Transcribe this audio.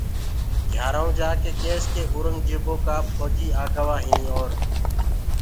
گھِيآرآئونٚ جآڪي ڪيس ڪي اورنٚگجيبو ڪآ ڦوجيٚ آگوآ هيٚنٚ اور